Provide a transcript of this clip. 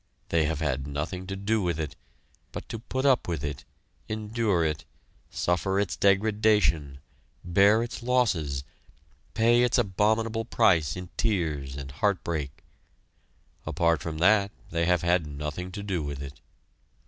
They have had nothing to do with it, but to put up with it, endure it, suffer its degradation, bear its losses, pay its abominable price in tears and heartbreak. Apart from that they have had nothing to do with it.